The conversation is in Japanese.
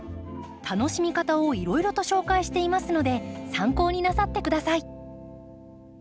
楽しみ方をいろいろと紹介していますので参考になさって下さい。